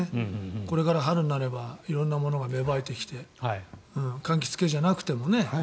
これから春になれば色んなものが芽生えてきて柑橘系じゃなくてもね。